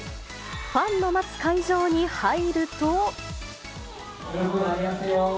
ファンの待つ会場に入ると。